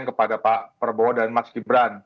kepada pak prabowo dan mas gibran